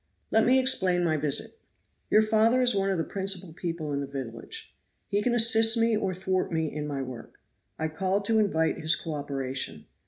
"Let me explain my visit. Your father is one of the principal people in the village. He can assist me or thwart me in my work. I called to invite his co operation.